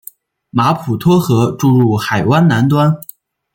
马普托河注入海湾南端。